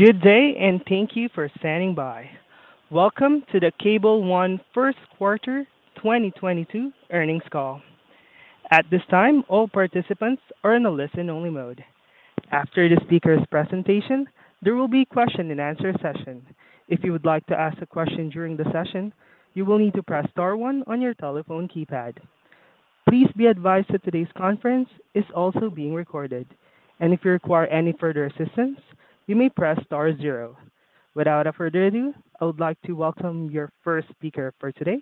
Good day and thank you for standing by. Welcome to the Cable One first quarter 2022 earnings call. At this time, all participants are in a listen-only mode. After the speaker's presentation, there will be a question-and-answer session. If you would like to ask a question during the session, you will need to press star one on your telephone keypad. Please be advised that today's conference is also being recorded. If you require any further assistance, you may press star zero. Without further ado, I would like to welcome your first speaker for today,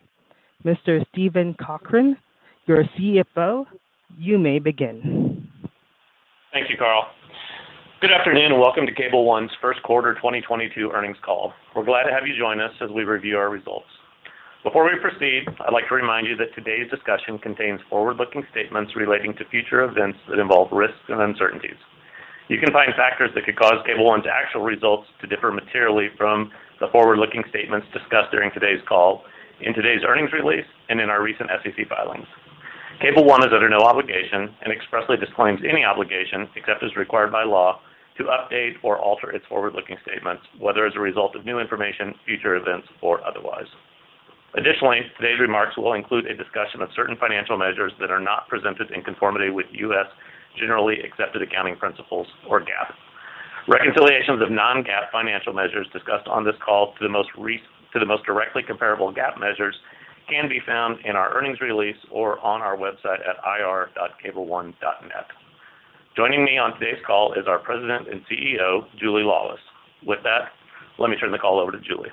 Mr. Steven Cochran, your CFO. You may begin. Thank you, Carl. Good afternoon, and welcome to Cable One's first quarter 2022 earnings call. We're glad to have you join us as we review our results. Before we proceed, I'd like to remind you that today's discussion contains forward-looking statements relating to future events that involve risks and uncertainties. You can find factors that could cause Cable One's actual results to differ materially from the forward-looking statements discussed during today's call in today's earnings release and in our recent SEC filings. Cable One is under no obligation and expressly disclaims any obligation, except as required by law, to update or alter its forward-looking statements, whether as a result of new information, future events, or otherwise. Additionally, today's remarks will include a discussion of certain financial measures that are not presented in conformity with U.S. generally accepted accounting principles or GAAP. Reconciliations of non-GAAP financial measures discussed on this call to the most directly comparable GAAP measures can be found in our earnings release or on our website at ir.cableone.net. Joining me on today's call is our President and CEO, Julie Laulis. With that, let me turn the call over to Julie.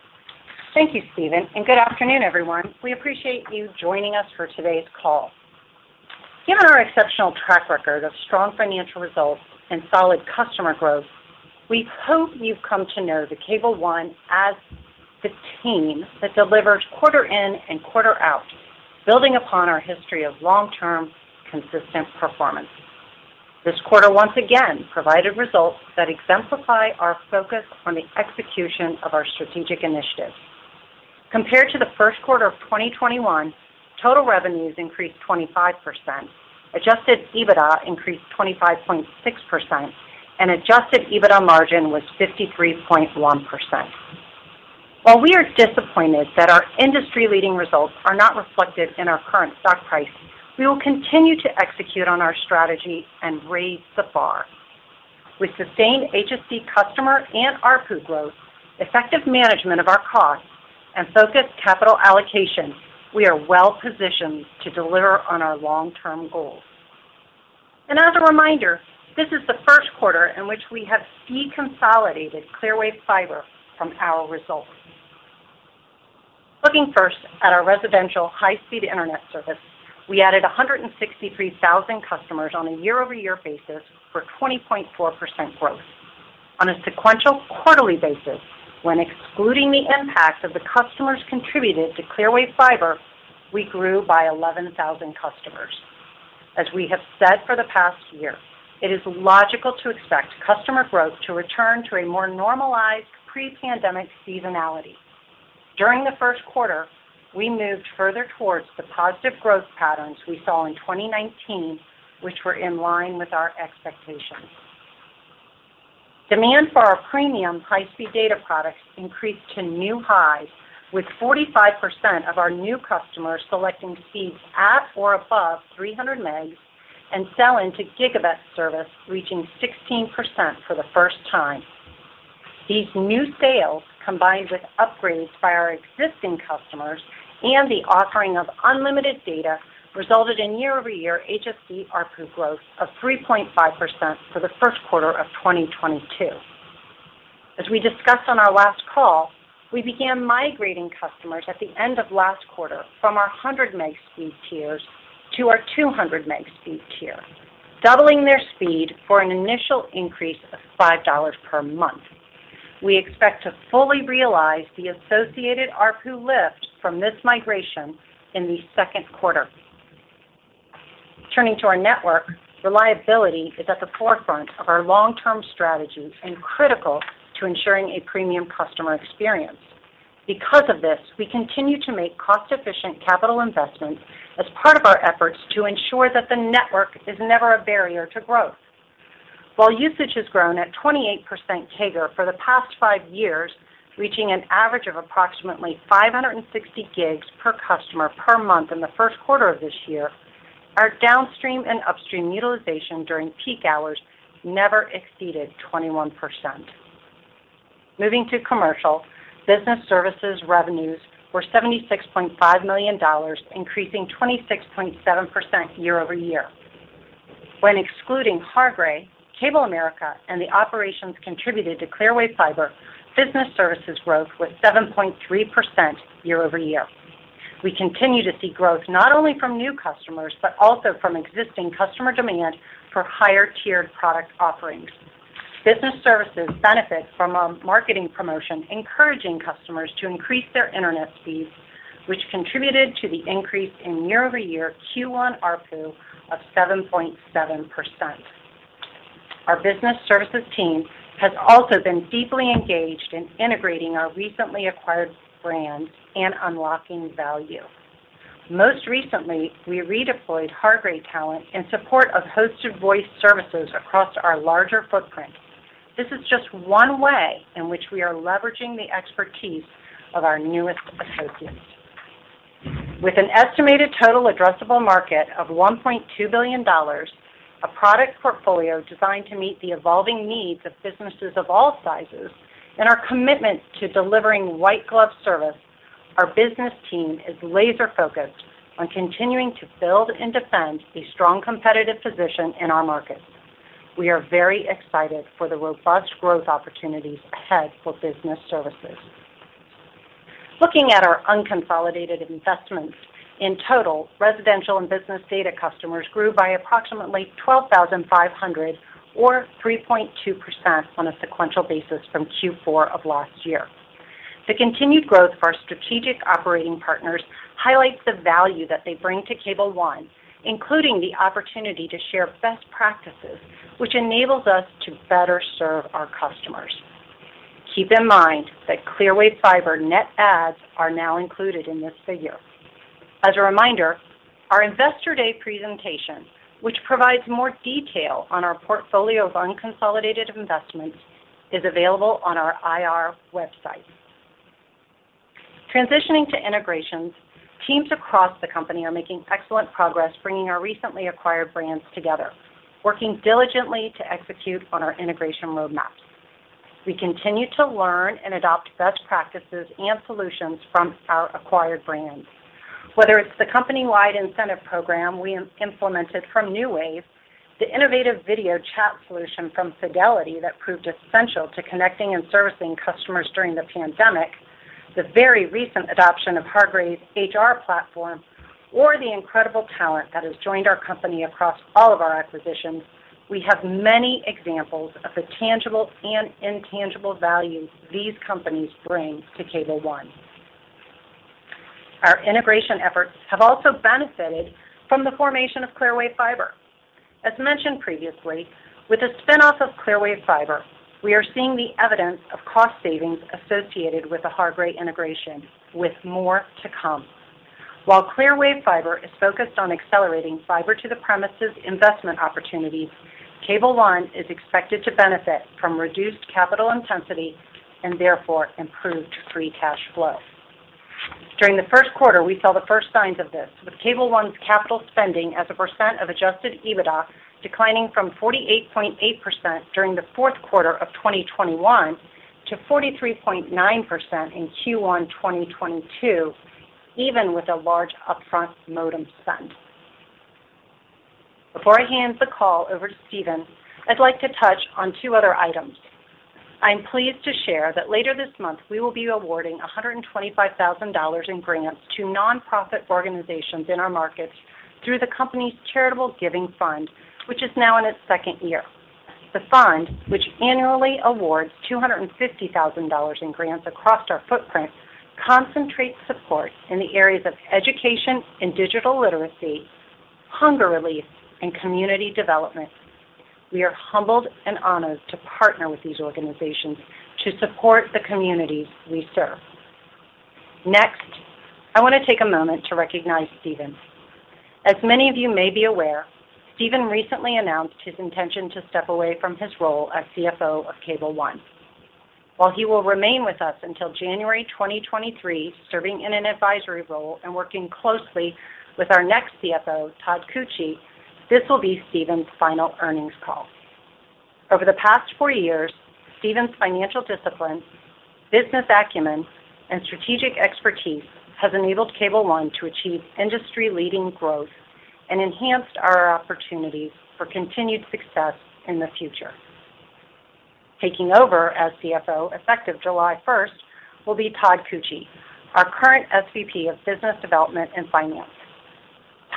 Thank you, Steven, and good afternoon, everyone. We appreciate you joining us for today's call. Given our exceptional track record of strong financial results and solid customer growth, we hope you've come to know the Cable One as the team that delivers quarter in and quarter out, building upon our history of long-term consistent performance. This quarter once again provided results that exemplify our focus on the execution of our strategic initiatives. Compared to the first quarter of 2021, total revenues increased 25%. Adjusted EBITDA increased 25.6%, and adjusted EBITDA margin was 53.1%. While we are disappointed that our industry-leading results are not reflected in our current stock price, we will continue to execute on our strategy and raise the bar. With sustained HSD customer and ARPU growth, effective management of our costs, and focused capital allocation, we are well positioned to deliver on our long-term goals. As a reminder, this is the first quarter in which we have deconsolidated Clearwave Fiber from our results. Looking first at our residential high-speed internet service, we added 163,000 customers on a year-over-year basis for 20.4% growth. On a sequential quarterly basis, when excluding the impact of the customers contributed to Clearwave Fiber, we grew by 11,000 customers. As we have said for the past year, it is logical to expect customer growth to return to a more normalized pre-pandemic seasonality. During the first quarter, we moved further towards the positive growth patterns we saw in 2019, which were in line with our expectations. Demand for our premium high-speed data products increased to new highs, with 45% of our new customers selecting speeds at or above 300 megs and sales into gigabit service reaching 16% for the first time. These new sales, combined with upgrades by our existing customers and the offering of unlimited data, resulted in year-over-year HSD ARPU growth of 3.5% for the first quarter of 2022. As we discussed on our last call, we began migrating customers at the end of last quarter from our 100 meg speed tiers to our 200-meg speed tier, doubling their speed for an initial increase of $5 per month. We expect to fully realize the associated ARPU lift from this migration in the second quarter. Turning to our network, reliability is at the forefront of our long-term strategy and critical to ensuring a premium customer experience. Because of this, we continue to make cost-efficient capital investments as part of our efforts to ensure that the network is never a barrier to growth. While usage has grown at 28% CAGR for the past five years, reaching an average of approximately 560 gigs per customer per month in the first quarter of this year, our downstream and upstream utilization during peak hours never exceeded 21%. Moving to commercial, business services revenues were $76.5 million, increasing 26.7% year-over-year. When excluding Hargray, CableAmerica, and the operations contributed to Clearwave Fiber, business services growth was 7.3% year-over-year. We continue to see growth not only from new customers, but also from existing customer demand for higher-tiered product offerings. Business services benefit from a marketing promotion encouraging customers to increase their internet speeds, which contributed to the increase in year-over-year Q1 ARPU of 7.7%. Our business services team has also been deeply engaged in integrating our recently acquired brand and unlocking value. Most recently, we redeployed Hargray talent in support of hosted voice services across our larger footprint. This is just one way in which we are leveraging the expertise of our newest associates. With an estimated total addressable market of $1.2 billion, a product portfolio designed to meet the evolving needs of businesses of all sizes, and our commitment to delivering white glove service, our business team is laser-focused on continuing to build and defend a strong competitive position in our markets. We are very excited for the robust growth opportunities ahead for business services. Looking at our unconsolidated investments, in total, residential and business data customers grew by approximately 12,500 or 3.2% on a sequential basis from Q4 of last year. The continued growth of our strategic operating partners highlights the value that they bring to Cable One, including the opportunity to share best practices, which enables us to better serve our customers. Keep in mind that Clearwave Fiber net adds are now included in this figure. As a reminder, our Investor Day presentation, which provides more detail on our portfolio of unconsolidated investments, is available on our IR website. Transitioning to integrations, teams across the company are making excellent progress bringing our recently acquired brands together, working diligently to execute on our integration roadmap. We continue to learn and adopt best practices and solutions from our acquired brands. Whether it's the company-wide incentive program we implemented from NewWave, the innovative video chat solution from Fidelity that proved essential to connecting and servicing customers during the pandemic, the very recent adoption of Hargray's HR platform, or the incredible talent that has joined our company across all of our acquisitions, we have many examples of the tangible and intangible value these companies bring to Cable One. Our integration efforts have also benefited from the formation of Clearwave Fiber. As mentioned previously, with the spin-off of Clearwave Fiber, we are seeing the evidence of cost savings associated with the Hargray integration, with more to come. While Clearwave Fiber is focused on accelerating fiber to the premises investment opportunities, Cable One is expected to benefit from reduced capital intensity and therefore improved free cash flow. During the first quarter, we saw the first signs of this, with Cable One's capital spending as a percent of Adjusted EBITDA declining from 48.8% during the fourth quarter of 2021 to 43.9% in Q1 2022, even with a large upfront modem spend. Before I hand the call over to Steven, I'd like to touch on two other items. I'm pleased to share that later this month, we will be awarding $125,000 in grants to nonprofit organizations in our markets through the company's charitable giving fund, which is now in its second year. The fund, which annually awards $250,000 in grants across our footprint, concentrates support in the areas of education and digital literacy, hunger relief, and community development. We are humbled and honored to partner with these organizations to support the communities we serve. Next, I want to take a moment to recognize Steven. As many of you may be aware, Steven recently announced his intention to step away from his role as CFO of Cable One. While he will remain with us until January 2023, serving in an advisory role and working closely with our next CFO, Todd Koetje, this will be Steven's final earnings call. Over the past four years, Steven's financial discipline, business acumen, and strategic expertise has enabled Cable One to achieve industry-leading growth and enhanced our opportunities for continued success in the future. Taking over as CFO, effective July first, will be Todd Koetje, our current SVP of Business Development and Finance.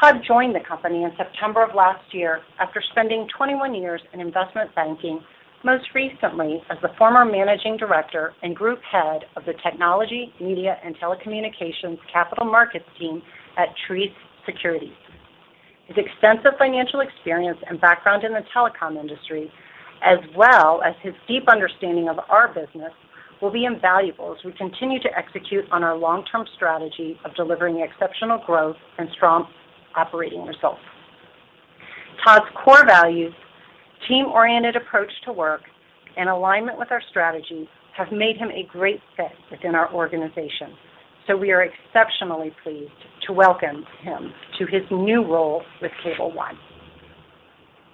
Todd joined the company in September of last year after spending 21 years in investment banking, most recently as the former managing director and group head of the Technology, Media, and Telecommunications Capital Markets team at Truist Securities. His extensive financial experience and background in the telecom industry, as well as his deep understanding of our business, will be invaluable as we continue to execute on our long-term strategy of delivering exceptional growth and strong operating results. Todd's core values, team-oriented approach to work, and alignment with our strategy have made him a great fit within our organization, so we are exceptionally pleased to welcome him to his new role with Cable One.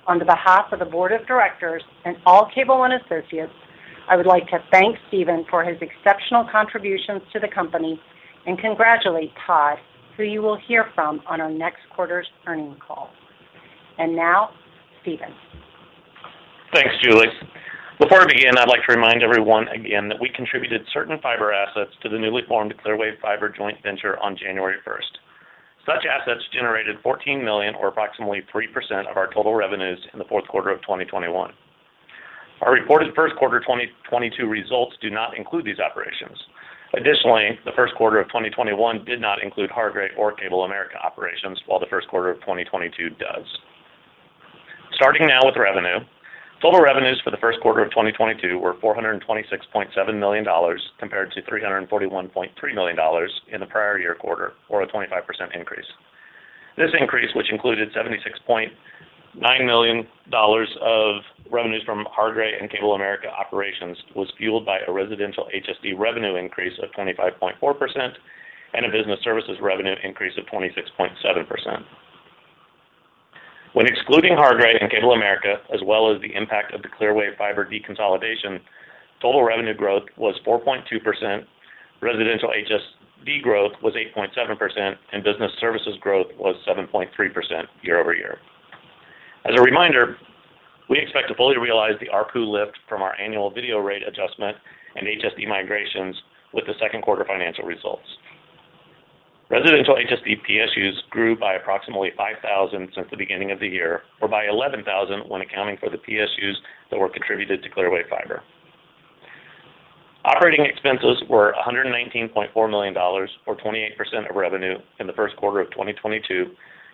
On behalf of the Board of Directors and all Cable One associates, I would like to thank Steven for his exceptional contributions to the company and congratulate Todd, who you will hear from on our next quarter's earnings call. Now, Steven. Thanks, Julia. Before I begin, I'd like to remind everyone again that we contributed certain fiber assets to the newly formed Clearwave Fiber joint venture on January first. Such assets generated $14 million or approximately 3% of our total revenues in the fourth quarter of 2021. Our reported first quarter 2022 results do not include these operations. Additionally, the first quarter of 2021 did not include Hargray or CableAmerica operations while the first quarter of 2022 does. Starting now with revenue. Total revenues for the first quarter of 2022 were $426.7 million compared to $341.3 million in the prior year quarter, or a 25% increase. This increase, which included $76.9 million of revenues from Hargray and CableAmerica operations, was fueled by a residential HSD revenue increase of 25.4% and a business services revenue increase of 26.7%. When excluding Hargray and CableAmerica, as well as the impact of the Clearwave Fiber deconsolidation, total revenue growth was 4.2%, residential HSD growth was 8.7%, and business services growth was 7.3% year-over-year. As a reminder, we expect to fully realize the ARPU lift from our annual video rate adjustment and HSD migrations with the second quarter financial results. Residential HSD PSUs grew by approximately 5,000 since the beginning of the year, or by 11,000 when accounting for the PSUs that were contributed to Clearwave Fiber. Operating expenses were $119.4 million, or 28% of revenue in the first quarter of 2022,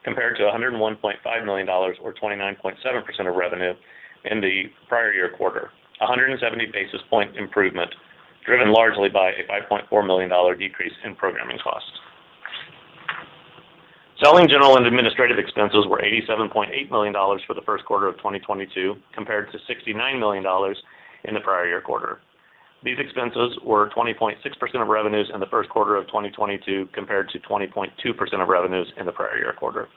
compared to $101.5 million or 29.7% of revenue in the prior year quarter. 170 basis point improvement, driven largely by a $5.4 million dollar decrease in programming costs. Selling general and administrative expenses were $87.8 million for the first quarter of 2022, compared to $69 million in the prior year quarter. These expenses were 20.6% of revenues in the first quarter of 2022, compared to 20.2% of revenues in the prior year quarter.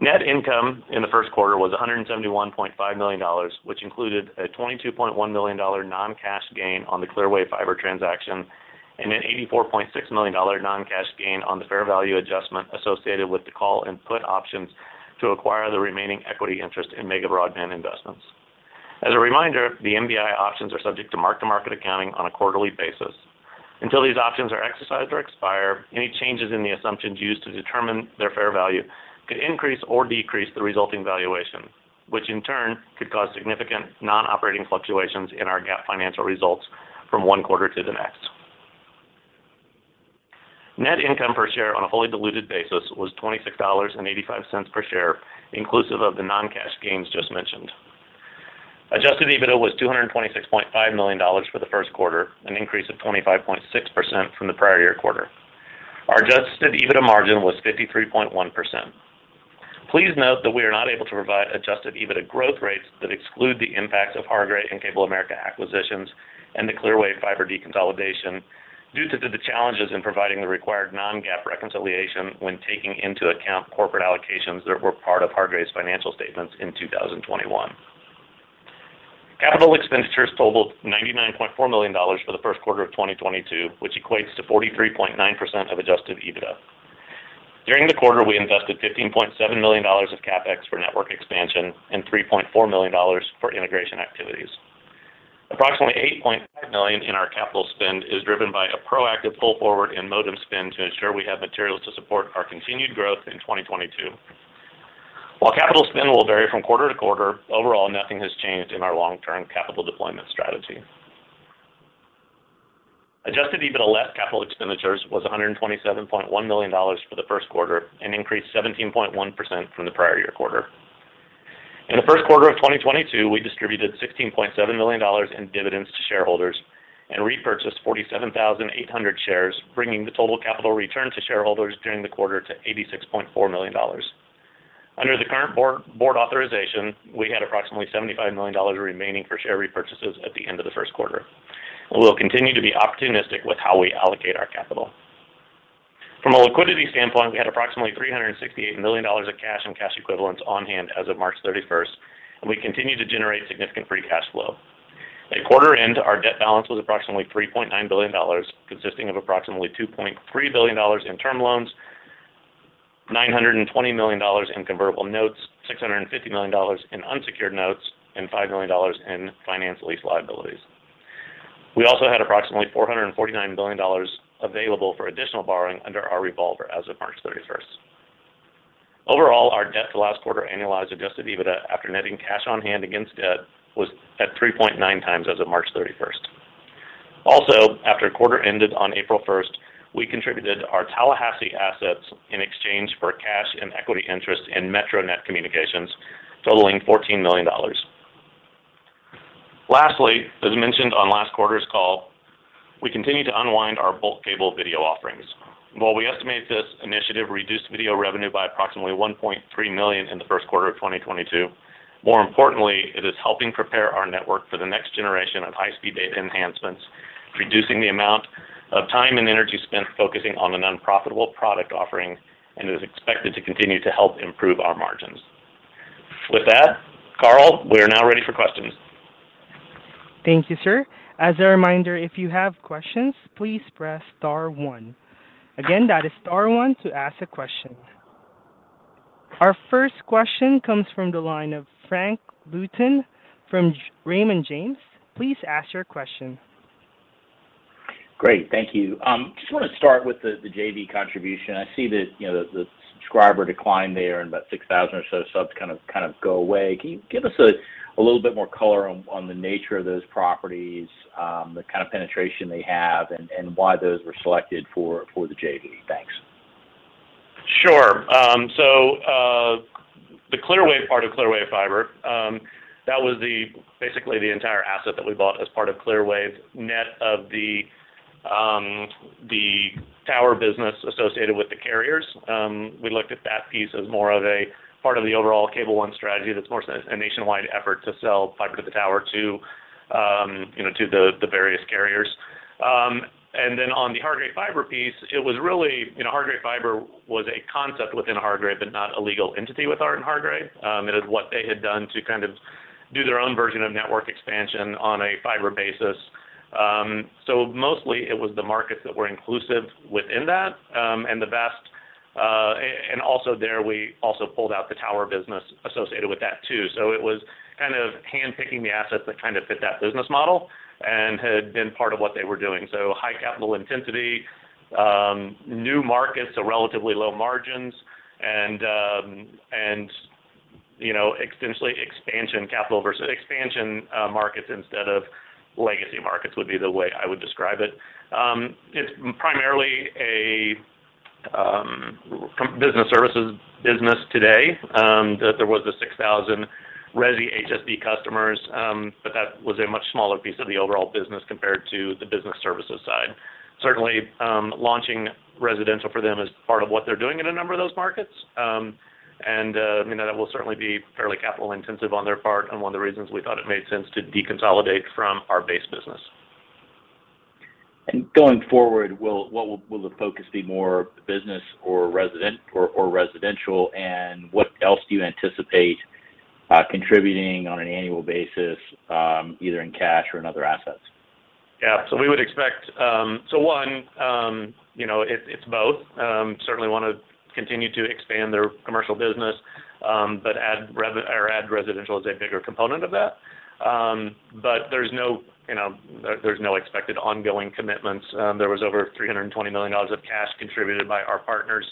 Net income in the first quarter was $171.5 million, which included a $22.1 million non-cash gain on the Clearwave Fiber transaction and an $84.6 million non-cash gain on the fair value adjustment associated with the call and put options to acquire the remaining equity interest in Mega Broadband Investments. As a reminder, the MBI options are subject to mark to market accounting on a quarterly basis. Until these options are exercised or expire, any changes in the assumptions used to determine their fair value could increase or decrease the resulting valuation, which in turn could cause significant non-operating fluctuations in our GAAP financial results from one quarter to the next. Net income per share on a fully diluted basis was $26.85 per share, inclusive of the non-cash gains just mentioned. Adjusted EBITDA was $226.5 million for the first quarter, an increase of 25.6% from the prior year quarter. Our adjusted EBITDA margin was 53.1%. Please note that we are not able to provide adjusted EBITDA growth rates that exclude the impacts of Hargray and CableAmerica acquisitions and the Clearwave Fiber deconsolidation due to the challenges in providing the required non-GAAP reconciliation when taking into account corporate allocations that were part of Hargray's financial statements in 2021. Capital expenditures totaled $99.4 million for the first quarter of 2022, which equates to 43.9% of adjusted EBITDA. During the quarter, we invested $15.7 million of CapEx for network expansion and $3.4 million for integration activities. Approximately $8.5 million in our capital spend is driven by a proactive pull forward in modem spend to ensure we have materials to support our continued growth in 2022. While capital spend will vary from quarter-to-quarter, overall, nothing has changed in our long-term capital deployment strategy. Adjusted EBITDA less capital expenditures was $127.1 million for the first quarter and increased 17.1% from the prior year quarter. In the first quarter of 2022, we distributed $16.7 million in dividends to shareholders and repurchased 47,800 shares, bringing the total capital return to shareholders during the quarter to $86.4 million. Under the current board authorization, we had approximately $75 million remaining for share repurchases at the end of the first quarter. We will continue to be opportunistic with how we allocate our capital. From a liquidity standpoint, we had approximately $368 million of cash and cash equivalents on hand as of March 31st, and we continue to generate significant free cash flow. At quarter end, our debt balance was approximately $3.9 billion, consisting of approximately $2.3 billion in term loans, $920 million in convertible notes, $650 million in unsecured notes, and $5 million in finance lease liabilities. We also had approximately $449 million available for additional borrowing under our revolver as of March 31st. Overall, our debt to last quarter annualized Adjusted EBITDA after netting cash on hand against debt was at 3.9x as of March 31st. Also, after the quarter ended on April 1, we contributed our Tallahassee assets in exchange for cash and equity interest in MetroNet, totaling $14 million. Lastly, as mentioned on last quarter's call, we continue to unwind our bulk cable video offerings. While we estimate this initiative reduced video revenue by approximately $1.3 million in the first quarter of 2022, more importantly, it is helping prepare our network for the next generation of high-speed data enhancements, reducing the amount of time and energy spent focusing on an unprofitable product offering and is expected to continue to help improve our margins. With that, Carl, we are now ready for questions. Thank you, sir. As a reminder, if you have questions, please press star one. Again, that is star one to ask a question. Our first question comes from the line of Frank Louthan from Raymond James. Please ask your question. Great. Thank you. Just want to start with the JV contribution. I see that, you know, the subscriber decline there and about 6,000 or so subs kind of go away. Can you give us a A little bit more color on the nature of those properties, the kind of penetration they have and why those were selected for the JV? Thanks. Sure. The Clearwave part of Clearwave Fiber, that was basically the entire asset that we bought as part of Clearwave, net of the tower business associated with the carriers. We looked at that piece as more of a part of the overall Cable One strategy that's more so a nationwide effort to sell fiber to the tower to, you know, to the various carriers. On the Hargray Fiber piece, it was really, you know, Hargray Fiber was a concept within Hargray, but not a legal entity in Hargray. It is what they had done to kind of do their own version of network expansion on a fiber basis. Mostly it was the markets that were inclusive within that, and the best. We also pulled out the tower business associated with that too. It was kind of handpicking the assets that kind of fit that business model and had been part of what they were doing. High capital intensity, new markets, relatively low margins and, you know, extensive expansion capital for expansion markets instead of legacy markets would be the way I would describe it. It's primarily a commercial business services business today, that there was the 6,000 resi HSD customers, but that was a much smaller piece of the overall business compared to the business services side. Certainly, launching residential for them is part of what they're doing in a number of those markets. I mean, that will certainly be fairly capital intensive on their part, and one of the reasons we thought it made sense to deconsolidate from our base business. Going forward, what will the focus be more business or residential, and what else do you anticipate contributing on an annual basis, either in cash or in other assets? Yeah. We would expect one, you know, it's both. Certainly wanna continue to expand their commercial business, but add residential as a bigger component of that. There's no, you know, there's no expected ongoing commitments. There was over $320 million of cash contributed by our partners.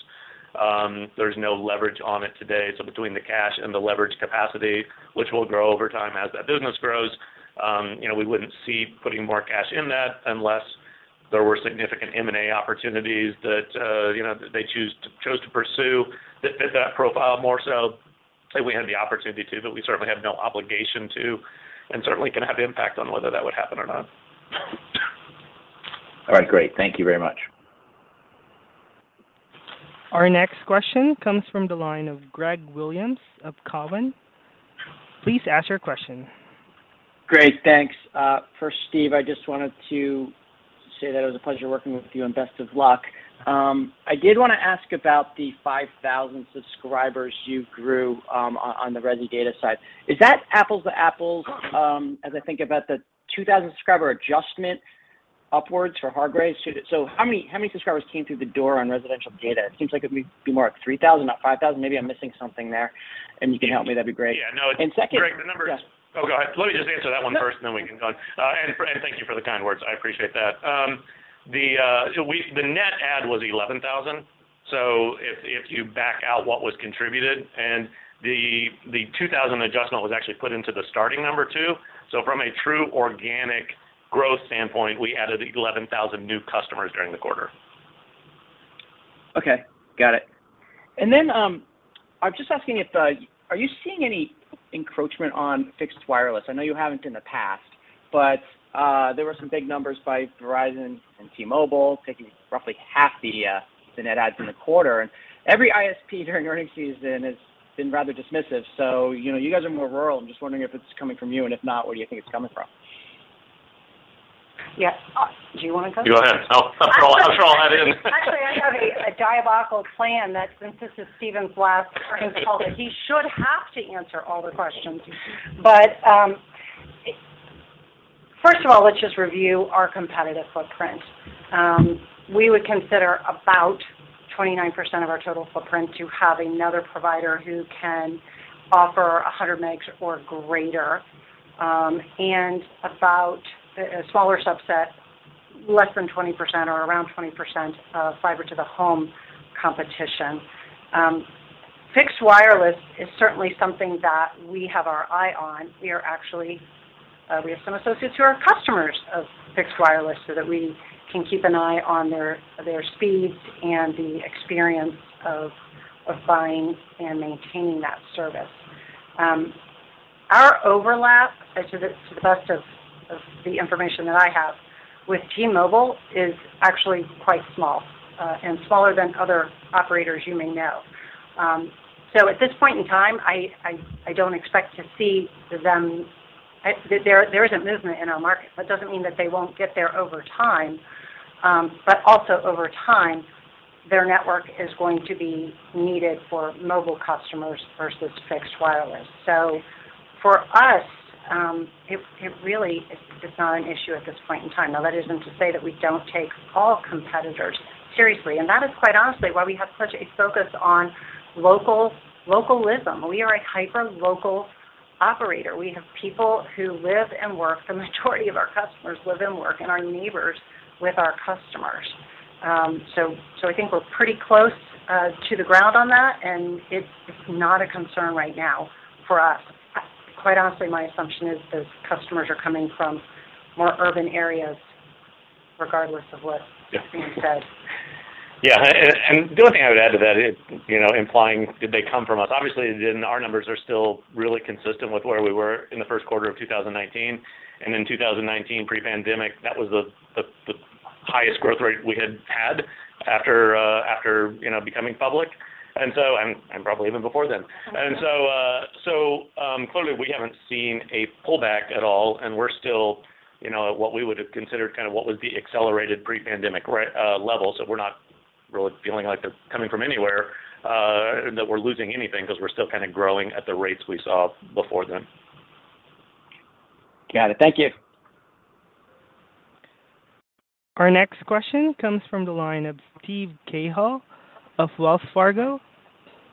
There's no leverage on it today. Between the cash and the leverage capacity, which will grow over time as that business grows, you know, we wouldn't see putting more cash in that unless there were significant M&A opportunities that, you know, they chose to pursue that fit that profile more so, if we had the opportunity to, but we certainly have no obligation to, and certainly can have impact on whether that would happen or not. All right, great. Thank you very much. Our next question comes from the line of Greg Williams of Cowen. Please ask your question. Great, thanks. First, Steve, I just wanted to say that it was a pleasure working with you, and best of luck. I did wanna ask about the 5,000 subscribers you grew, on the resi data side. Is that apples to apples, as I think about the 2,000 subscriber adjustment upwards for Hargray? How many subscribers came through the door on residential data? It seems like it may be more like 3,000, not 5,000. Maybe I'm missing something there, and you can help me, that'd be great. Yeah. No. And second. Greg, the numbers. Yeah. Oh, go ahead. Let me just answer that one first, and then we can go on. And thank you for the kind words. I appreciate that. The net add was 11,000. If you back out what was contributed, and the 2,000 adjustment was actually put into the starting number too. From a true organic growth standpoint, we added 11,000 new customers during the quarter. Okay, got it. I'm just asking if are you seeing any encroachment on fixed wireless? I know you haven't in the past, but there were some big numbers by Verizon and T-Mobile taking roughly half the net adds in the quarter. Every ISP during earnings season has been rather dismissive. You know, you guys are more rural. I'm just wondering if it's coming from you, and if not, where do you think it's coming from? Yeah. Do you wanna go? Go ahead. After all I did. Actually, I have a diabolical plan that since this is Steven's last earnings call that he should have to answer all the questions. First of all, let's just review our competitive footprint. We would consider about 29% of our total footprint to have another provider who can offer 100 megs or greater, and about a smaller subset, less than 20% or around 20% of fiber to the home competition. Fixed wireless is certainly something that we have our eye on. We are actually, we have some associates who are customers of fixed wireless so that we can keep an eye on their speeds and the experience of buying and maintaining that service. Our overlap, as to the best of the information that I have with T-Mobile is actually quite small, and smaller than other operators you may know. At this point in time, I don't expect to see them. There isn't movement in our market. That doesn't mean that they won't get there over time. Also over time, their network is going to be needed for mobile customers versus fixed wireless. For us, it really is just not an issue at this point in time. Now, that isn't to say that we don't take all competitors seriously, and that is quite honestly why we have such a focus on localism. We are a hyper-local operator. We have people who live and work, the majority of our customers live and work, and are neighbors with our customers. So, I think we're pretty close to the ground on that, and it's not a concern right now for us. Quite honestly, my assumption is those customers are coming from more urban areas regardless of what's being said. Yeah. The only thing I would add to that is, you know, implying, did they come from us? Obviously, then our numbers are still really consistent with where we were in the first quarter of 2019. In 2019 pre-pandemic, that was the highest growth rate we had had after, you know, becoming public. Probably even before then. Clearly we haven't seen a pullback at all, and we're still, you know, at what we would have considered kind of what was the accelerated pre-pandemic levels, so we're not really feeling like they're coming from anywhere that we're losing anything because we're still kind of growing at the rates we saw before then. Got it. Thank you. Our next question comes from the line of Steve Cahall of Wells Fargo.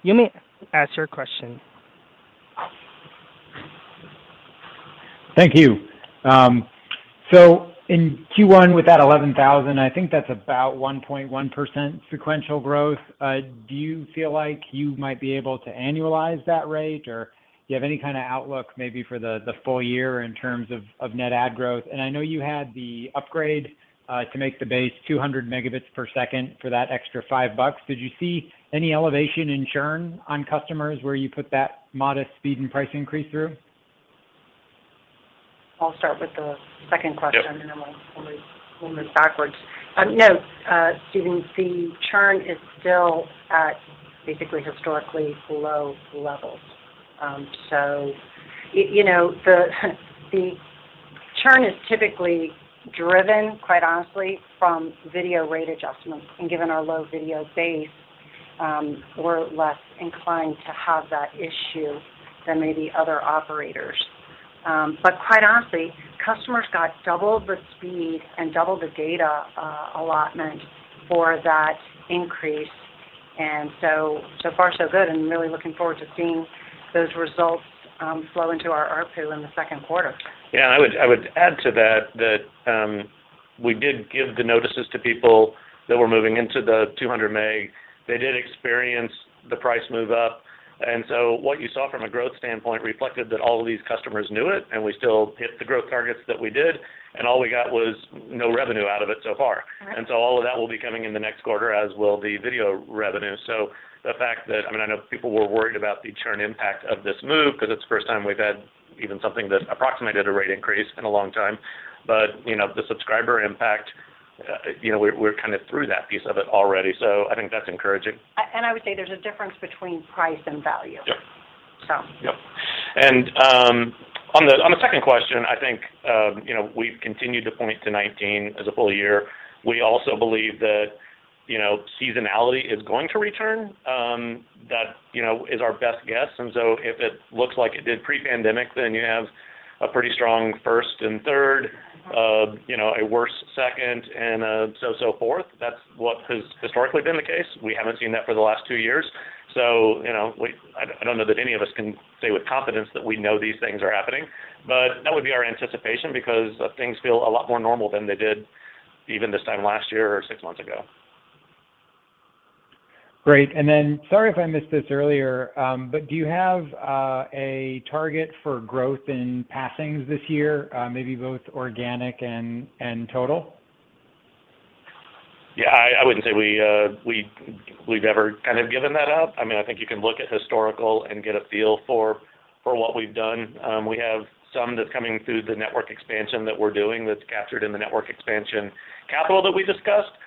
You may ask your question. Thank you. So, in Q1 with that 11,000, I think that's about 1.1% sequential growth. Do you feel like you might be able to annualize that rate or do you have any kind of outlook maybe for the full year in terms of net add growth? I know you had the upgrade to make the base 200 Mbps for that extra $5. Did you see any elevation in churn on customers where you put that modest speed and price increase through? I'll start with the second question. Yep. We'll move backwards. No, Steven, the churn is still at basically historically low levels. You know, the churn is typically driven, quite honestly, from video rate adjustments. Given our low video base, we're less inclined to have that issue than maybe other operators. Quite honestly, customers got double the speed and double the data allotment for that increase, so far so good, and really looking forward to seeing those results flow into our ARPU in the second quarter. Yeah. I would add to that that we did give the notices to people that were moving into the 200 meg. They did experience the price move up. What you saw from a growth standpoint reflected that all of these customers knew it, and we still hit the growth targets that we did, and all we got was no revenue out of it so far. Right. All of that will be coming in the next quarter, as will the video revenue. The fact that, I mean, I know people were worried about the churn impact of this move because it's the first time we've had even something that approximated a rate increase in a long time. You know, the subscriber impact, you know, we're kind of through that piece of it already. I think that's encouraging. I would say there's a difference between price and value. Yep. So. Yep. On the second question, I think, you know, we've continued to point to 2019 as a full year. We also believe that, you know, seasonality is going to return, that, you know, is our best guess. If it looks like it did pre-pandemic, then you have a pretty strong first and third, you know, a worse second and so forth. That's what has historically been the case. We haven't seen that for the last two years. You know, I don't know that any of us can say with confidence that we know these things are happening. That would be our anticipation because things feel a lot more normal than they did even this time last year or six months ago. Great. Sorry if I missed this earlier, but do you have a target for growth in passings this year, maybe both organic and total? Yeah, I wouldn't say we've ever kind of given that up. I mean, I think you can look at historical and get a feel for what we've done. We have some that's coming through the network expansion that we're doing that's captured in the network expansion capital that we discussed.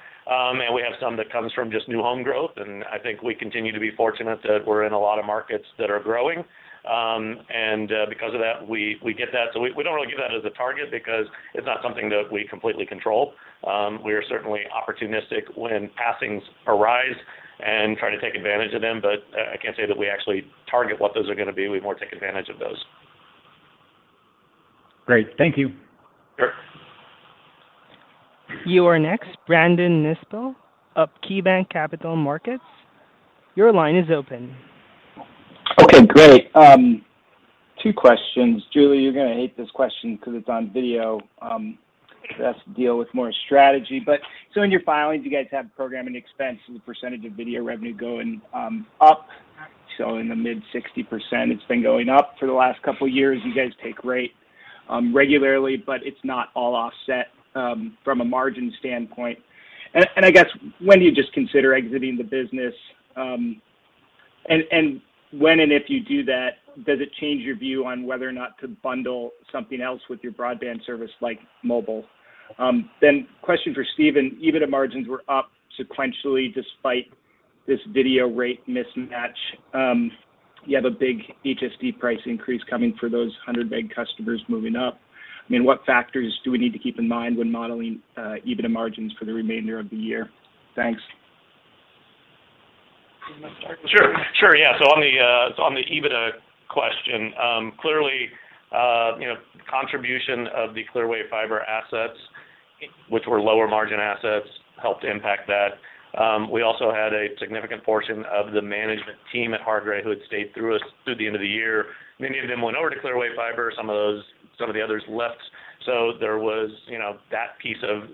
We have some that comes from just new home growth, and I think we continue to be fortunate that we're in a lot of markets that are growing. Because of that, we get that. We don't really give that as a target because it's not something that we completely control. We are certainly opportunistic when passings arise and try to take advantage of them, but I can't say that we actually target what those are gonna be. We more take advantage of those. Great. Thank you. Sure. You are next, Brandon Nispel of KeyBank Capital Markets. Your line is open. Okay, great. Two questions. Julia, you're gonna hate this question because it's on video, that has to deal with more strategy. In your filings, you guys have programming expense as a percentage of video revenue going up. Right. In the mid-60%. It's been going up for the last couple years. You guys take rate regularly, but it's not all offset from a margin standpoint. I guess, when do you just consider exiting the business? And when and if you do that, does it change your view on whether or not to bundle something else with your broadband service, like mobile? Question for Steven. EBITDA margins were up sequentially despite this video rate mismatch. You have a big HSD price increase coming for those 100 meg customers moving up. I mean, what factors do we need to keep in mind when modeling EBITDA margins for the remainder of the year? Thanks. Do you want to start this one? Sure, yeah. On the EBITDA question, clearly, you know, contribution of the Clearwave Fiber assets, which were lower margin assets, helped impact that. We also had a significant portion of the management team at Hargray who had stayed with us through the end of the year. Many of them went over to Clearwave Fiber, some of the others left. There was, you know, that piece of,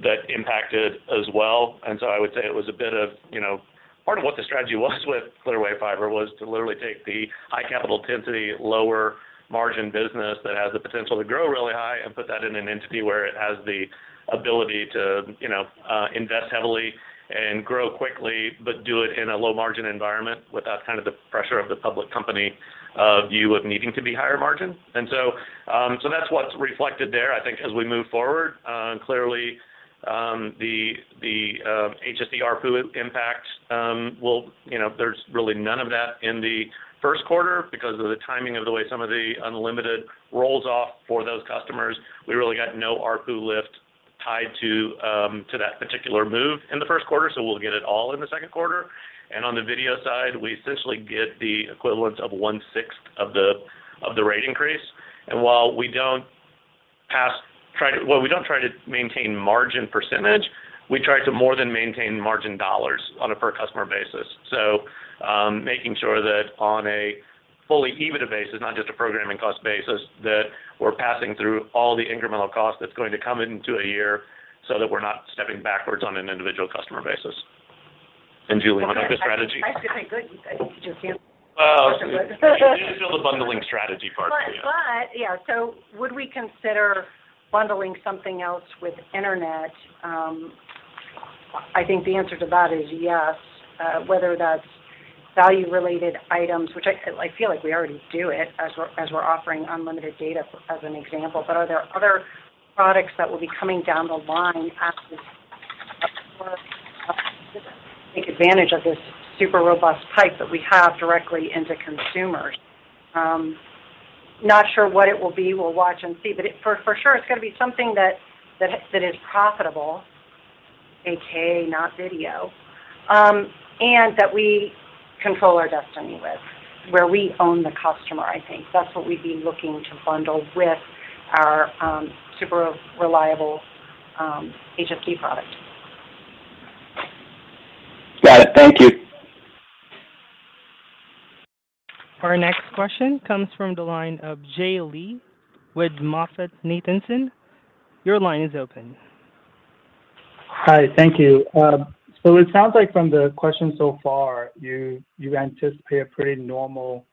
that impacted as well. I would say it was a bit of, you know, part of what the strategy was with Clearwave Fiber was to literally take the high capital intensity, lower margin business that has the potential to grow really high and put that in an entity where it has the ability to, you know, invest heavily and grow quickly, but do it in a low margin environment without kind of the pressure of the public company view of needing to be higher margin. That's what's reflected there. I think as we move forward, clearly, the HSD ARPU impacts will, you know, there's really none of that in the first quarter because of the timing of the way some of the unlimited rolls off for those customers. We really got no ARPU lift tied to that particular move in the first quarter, so we'll get it all in the second quarter. On the video side, we essentially get the equivalent of one-sixth of the rate increase. Well, while we don't try to maintain margin percentage, we try to more than maintain margin dollars on a per customer basis. Making sure that on a fully EBITDA basis, not just a programming cost basis, that we're passing through all the incremental cost that's going to come into a year so that we're not stepping backwards on an individual customer basis. Julia, what about the strategy? I think that's pretty good. I think. Do you feel? Well, you can do the bundling strategy part. Yeah. Would we consider bundling something else with internet? I think the answer to that is yes. Whether that's value-related items, which I feel like we already do it as we're offering unlimited data as an example. Are there other products that will be coming down the line as we take advantage of this super robust pipe that we have directly into consumers? Not sure what it will be. We'll watch and see. It for sure is going to be something that is profitable, aka not video, and that we control our destiny with. Where we own the customer, I think. That's what we'd be looking to bundle with our super reliable HFC product. Got it. Thank you. Our next question comes from the line of Jay Lee with MoffettNathanson. Your line is open. Hi. Thank you. It sounds like from the questions so far you anticipate a pretty normal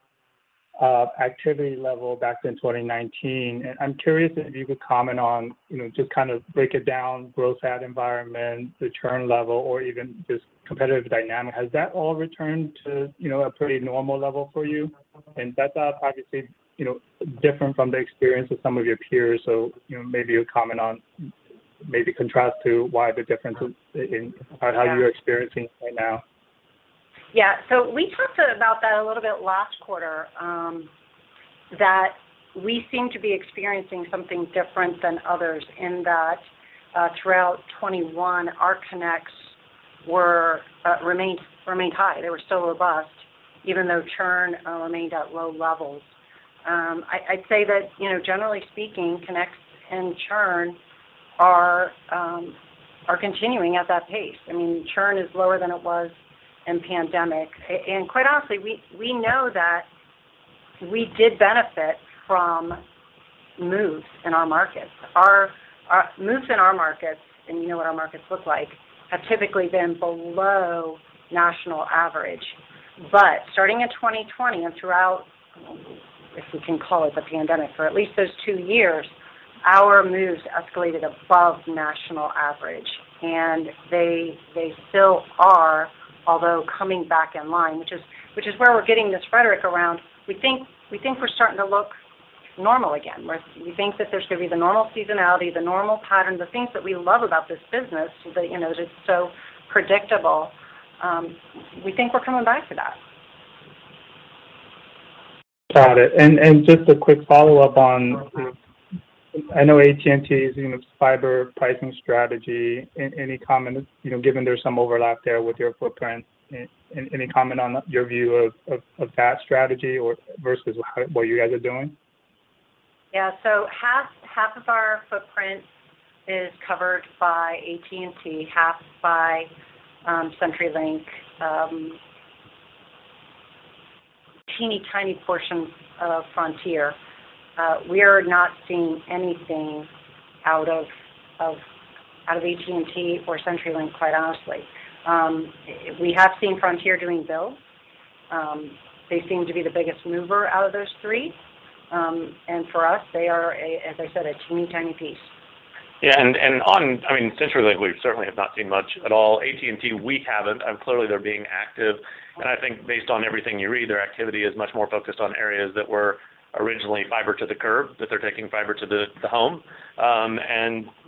activity level back in 2019. I'm curious if you could comment on, you know, just kind of break it down, gross add environment, the churn level or even just competitive dynamic. Has that all returned to, you know, a pretty normal level for you? That's obviously, you know, different from the experience of some of your peers. You know, maybe you comment on maybe contrast to why the difference in how you're experiencing it right now. Yeah. We talked about that a little bit last quarter, that we seem to be experiencing something different than others in that, throughout 2021, our connects remained high. They were still robust even though churn remained at low levels. I'd say that, you know, generally speaking, connects and churn are continuing at that pace. I mean, churn is lower than it was in pandemic. Quite honestly, we know that we did benefit from moves in our markets. Moves in our markets, and you know what our markets look like, have typically been below national average. Starting in 2020 and throughout, if we can call it the pandemic, for at least those two years, our moves escalated above national average. They still are, although coming back in line, which is where we're getting this rhetoric around, we think we're starting to look normal again. We think that there's going to be the normal seasonality, the normal pattern, the things that we love about this business that, you know, is just so predictable. We think we're coming back to that. Got it. Just a quick follow-up on, I know AT&T's, you know, fiber pricing strategy. Any comment, you know, given there's some overlap there with your footprint, any comment on your view of that strategy or versus what you guys are doing? Yeah. Half of our footprint is covered by AT&T, half by CenturyLink, teeny tiny portion of Frontier. We're not seeing anything out of AT&T or CenturyLink, quite honestly. We have seen Frontier doing builds. They seem to be the biggest mover out of those three. For us, they are a teeny tiny piece, as I said. CenturyLink, we certainly have not seen much at all. AT&T, we haven't. Clearly, they're being active. I think based on everything you read, their activity is much more focused on areas that were originally fiber to the curb, that they're taking fiber to the home.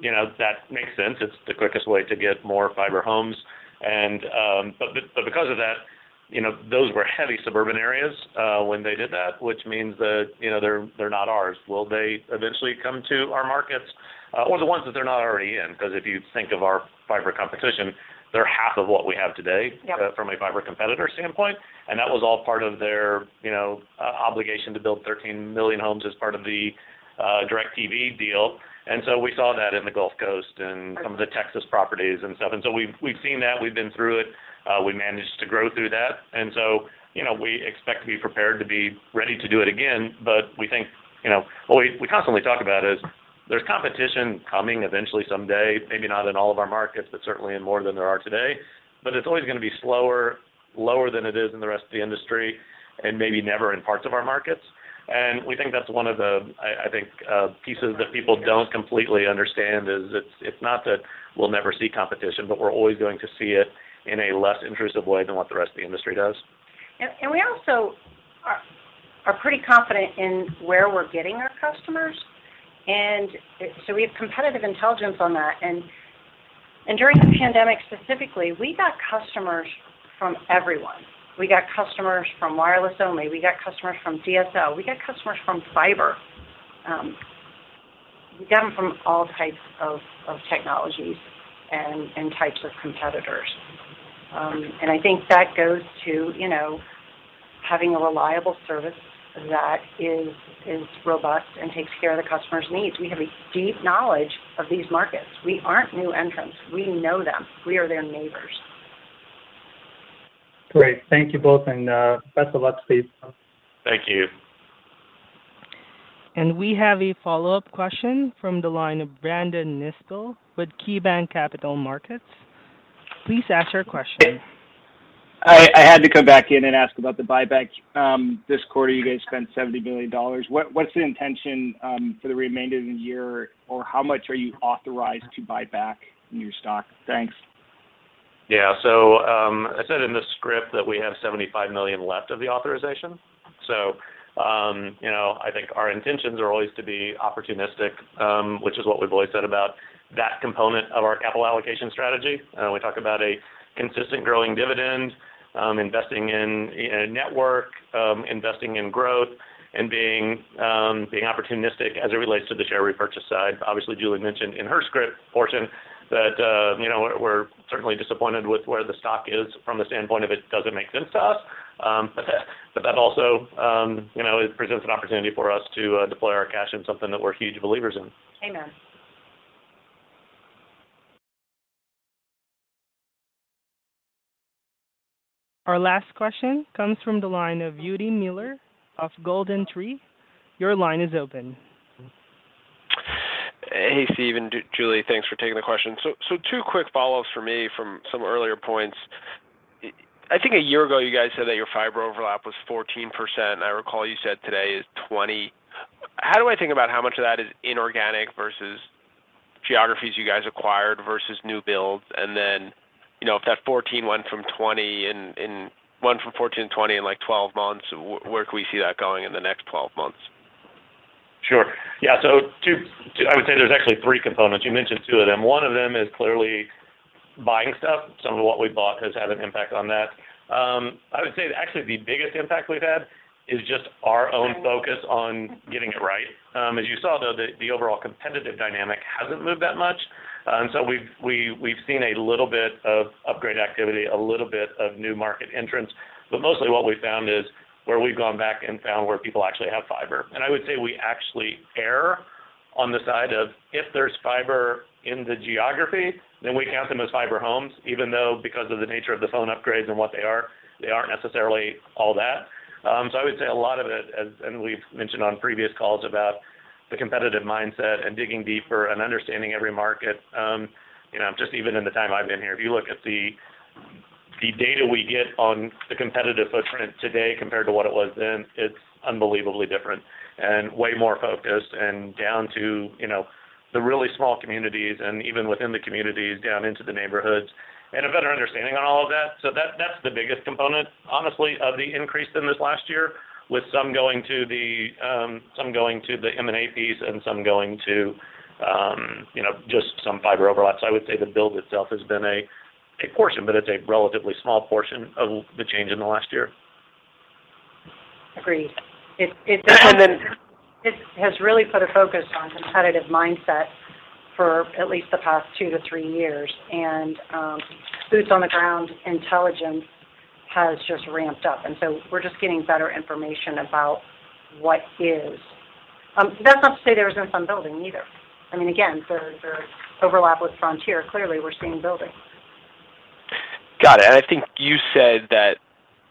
You know, that makes sense. It's the quickest way to get more fiber homes. But because of that, you know, those were heavy suburban areas when they did that, which means that, you know, they're not ours. Will they eventually come to our markets? Or the ones that they're not already in, because if you think of our fiber competition, they're half of what we have today. Yep. From a fiber competitor standpoint. That was all part of their obligation to build 13 million homes as part of the DirecTV deal. We saw that in the Gulf Coast and some of the Texas properties and stuff. We've seen that. We've been through it. We managed to grow through that. We expect to be prepared to be ready to do it again. But we think what we constantly talk about is there's competition coming eventually someday, maybe not in all of our markets, but certainly in more than there are today. It's always gonna be slower, lower than it is in the rest of the industry and maybe never in parts of our markets. We think that's one of the, I think, pieces that people don't completely understand is it's not that we'll never see competition, but we're always going to see it in a less intrusive way than what the rest of the industry does. We also are pretty confident in where we're getting our customers. We have competitive intelligence on that. During the pandemic specifically, we got customers from everyone. We got customers from wireless only, we got customers from DSL, we got customers from fiber. We got them from all types of technologies and types of competitors. I think that goes to, you know, having a reliable service that is robust and takes care of the customer's needs. We have a deep knowledge of these markets. We aren't new entrants. We know them. We are their neighbors. Great. Thank you both, and best of luck to you. Thank you. We have a follow-up question from the line of Brandon Nispel with KeyBank Capital Markets. Please ask your question. I had to come back in and ask about the buyback. This quarter, you guys spent $70 million. What's the intention for the remainder of the year, or how much are you authorized to buy back in your stock? Thanks. Yeah. I said in the script that we have $75 million left of the authorization. You know, I think our intentions are always to be opportunistic, which is what we've always said about that component of our capital allocation strategy. We talk about a consistent growing dividend, investing in network, investing in growth and being opportunistic as it relates to the share repurchase side. Obviously, Julia mentioned in her script portion that, you know, we're certainly disappointed with where the stock is from the standpoint of it doesn't make sense to us. But that also, you know, it presents an opportunity for us to deploy our cash in something that we're huge believers in. Amen. Our last question comes from the line of Eugene Miller of GoldenTree. Your line is open. Hey, Steve and Julie. Thanks for taking the question. Two quick follow-ups for me from some earlier points. I think a year ago you guys said that your fiber overlap was 14%. I recall you said today it's 20%. How do I think about how much of that is inorganic versus geographies you guys acquired versus new builds? And then, you know, if that went from 14-20 in, like, 12 months, where could we see that going in the next 12 months? Sure. Yeah. I would say there's actually three components. You mentioned two of them. One of them is clearly buying stuff. Some of what we bought has had an impact on that. I would say actually the biggest impact we've had is just our own focus on getting it right. As you saw, though, the overall competitive dynamic hasn't moved that much. We've seen a little bit of upgrade activity, a little bit of new market entrants, but mostly what we've found is where we've gone back and found where people actually have fiber. I would say we actually err on the side of if there's fiber in the geography, then we count them as fiber homes, even though because of the nature of the phone upgrades and what they are, they aren't necessarily all that. I would say a lot of it, and we've mentioned on previous calls about the competitive mindset and digging deeper and understanding every market, you know, just even in the time I've been here, if you look at the data we get on the competitive footprint today compared to what it was then, it's unbelievably different and way more focused and down to, you know, the really small communities and even within the communities down into the neighborhoods and a better understanding on all of that. That's the biggest component, honestly, of the increase in this last year, with some going to the M&A piece and some going to, you know, just some fiber overlaps. I would say the build itself has been a portion, but it's a relatively small portion of the change in the last year. Agreed. It's And then. It has really put a focus on competitive mindset for at least the past two-three years. Boots on the ground intelligence has just ramped up, and so we're just getting better information about what is. That's not to say there has been some building either. I mean, again, there overlap with Frontier. Clearly, we're seeing building. Got it. I think you said that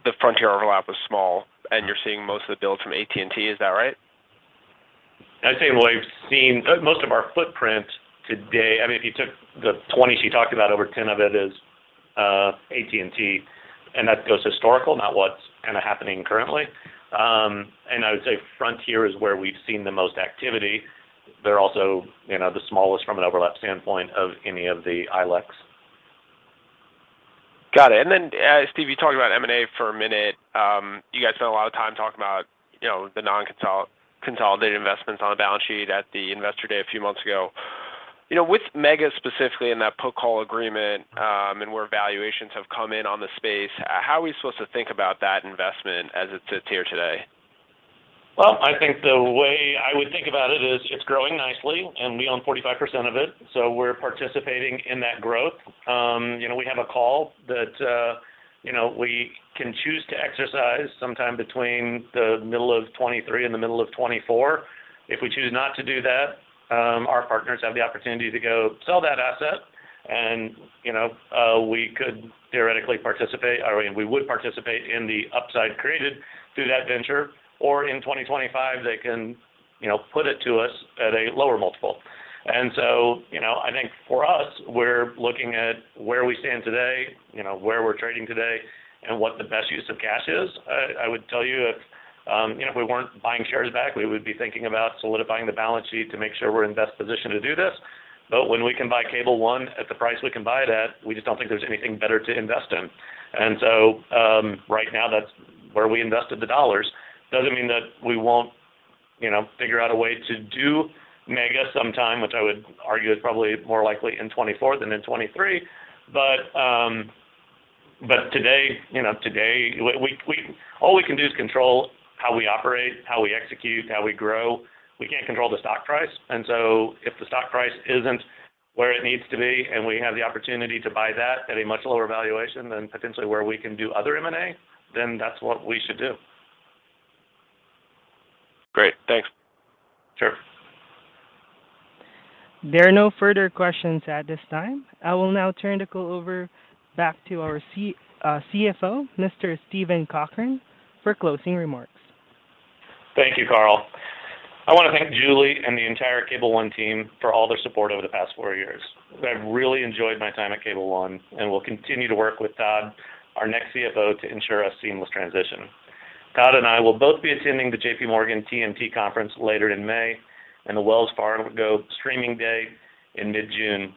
the Frontier overlap was small and you're seeing most of the builds from AT&T. Is that right? I'd say what we've seen. Most of our footprint today, I mean, if you took the 20 she talked about, over 10 of it is AT&T, and that goes historical, not what's kind of happening currently. I would say Frontier is where we've seen the most activity. They're also, you know, the smallest from an overlap standpoint of any of the ILECs. Got it. Steve, you talked about M&A for a minute. You guys spent a lot of time talking about, you know, the nonconsolidated investments on the balance sheet at the Investor Day a few months ago. You know, with Mega specifically in that put call agreement, and where valuations have come in on the space, how are we supposed to think about that investment as it sits here today? Well, I think the way I would think about it is it's growing nicely, and we own 45% of it, so we're participating in that growth. You know, we have a call that you know we can choose to exercise sometime between the middle of 2023 and the middle of 2024. If we choose not to do that, our partners have the opportunity to go sell that asset, and you know we could theoretically participate, or we would participate in the upside created through that venture, or in 2025, they can you know put it to us at a lower multiple. You know, I think for us, we're looking at where we stand today, you know, where we're trading today, and what the best use of cash is. I would tell you know, if we weren't buying shares back, we would be thinking about solidifying the balance sheet to make sure we're in the best position to do this. When we can buy Cable One at the price we can buy it at, we just don't think there's anything better to invest in. Right now, that's where we invested the dollars. Doesn't mean that we won't, you know, figure out a way to do Mega sometime, which I would argue is probably more likely in 2024 than in 2023. Today, you know, today all we can do is control how we operate, how we execute, how we grow. We can't control the stock price. If the stock price isn't where it needs to be, and we have the opportunity to buy that at a much lower valuation than potentially where we can do other M&A, then that's what we should do. Great. Thanks. Sure. There are no further questions at this time. I will now turn the call over back to our CFO, Mr. Steven Cochran, for closing remarks. Thank you, Carl. I wanna thank Julia Laulis and the entire Cable One team for all their support over the past four years. I've really enjoyed my time at Cable One and will continue to work with Todd Koetje, our next CFO, to ensure a seamless transition. Todd Koetje and I will both be attending the JPMorgan TMT Conference later in May and the Wells Fargo Streaming Day in mid-June.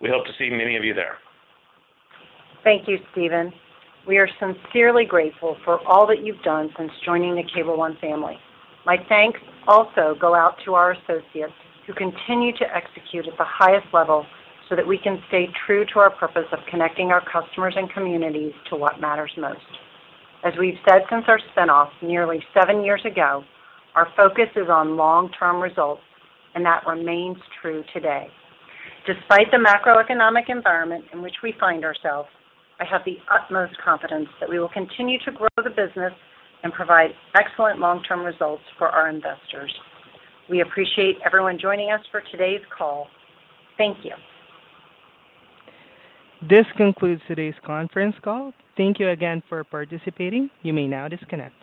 We hope to see many of you there. Thank you, Steven. We are sincerely grateful for all that you've done since joining the Cable One family. My thanks also go out to our associates who continue to execute at the highest level so that we can stay true to our purpose of connecting our customers and communities to what matters most. As we've said since our spin-off nearly seven years ago, our focus is on long-term results, and that remains true today. Despite the macroeconomic environment in which we find ourselves, I have the utmost confidence that we will continue to grow the business and provide excellent long-term results for our investors. We appreciate everyone joining us for today's call. Thank you. This concludes today's conference call. Thank you again for participating. You may now disconnect.